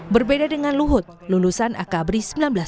berbeda dengan luhut lulusan akabri seribu sembilan ratus sembilan puluh